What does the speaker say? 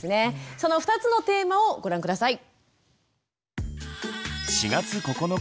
その２つのテーマをご覧下さい。